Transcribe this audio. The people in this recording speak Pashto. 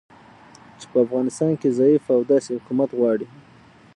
چې په افغانستان کې ضعیفه او داسې حکومت غواړي